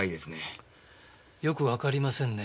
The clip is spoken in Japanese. よくわかりませんね。